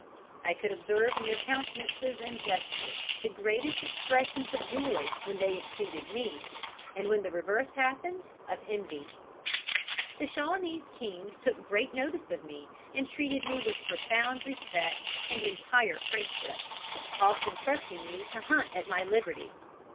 I could observe in their countenances and gestures, the greatest expressions of joy when they exceeded me, and when the reverse happened, of envy. The Shawanese king took great notice of me, and treated me with profound respect and entire friendship, often trusting me to hunt at my liberty.